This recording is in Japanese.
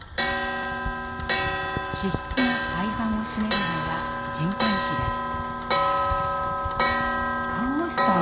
支出の大半を占めるのは人件費です。